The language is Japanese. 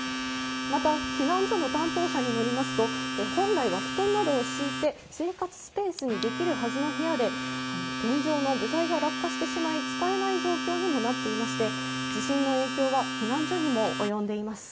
また、避難所の担当者によりますと、本来は布団などを敷いて生活スペースにできるはずの部屋で、天井の部材が落下してしまい使えない状況にもなっていまして、地震の影響は避難所にも及んでいます。